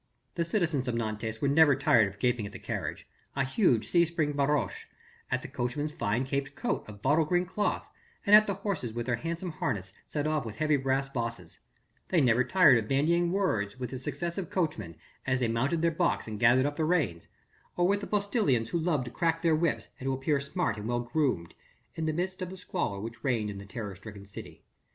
The citizens of Nantes were never tired of gaping at the carriage a huge C springed barouche at the coachman's fine caped coat of bottle green cloth and at the horses with their handsome harness set off with heavy brass bosses: they never tired of bandying words with the successive coachmen as they mounted their box and gathered up the reins, or with the postilions who loved to crack their whips and to appear smart and well groomed, in the midst of the squalor which reigned in the terror stricken city.